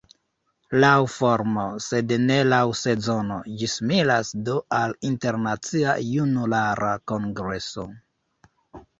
Laŭ formo, sed ne laŭ sezono, ĝi similas do al Internacia Junulara Kongreso.